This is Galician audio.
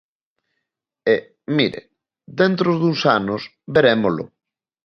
E, mire, dentro duns anos verémolo.